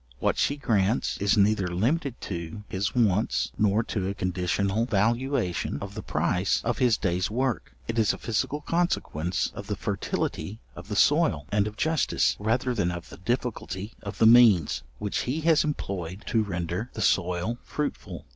What she grants is neither limited to his wants, nor to a conditional valuation of the price of his day's work. It is a physical consequence of the fertility of the soil, and of justice, rather than of the difficulty of the means, which he has employed to render the soil fruitful.